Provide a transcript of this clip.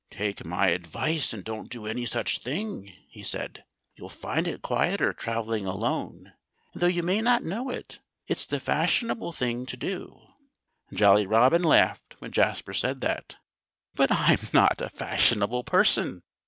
"Take my advice and don't do any such thing," he said. "You'll find it quieter travelling alone. And though you may not know it, it's the fashionable thing to do." Jolly Robin laughed when Jasper said that. "But I'm not a fashionable person!"